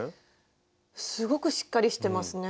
すごくしっかりしてますね。ですよね。